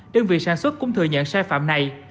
đơn vị sản xuất cũng thừa nhận sai phạm này